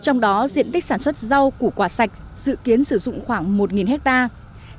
trong đó diện tích sản xuất rau củ quả sạch dự kiến sử dụng khoảng một hectare